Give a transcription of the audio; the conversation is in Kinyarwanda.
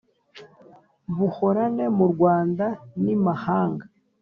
buhorane mu rwanda ni mahanga,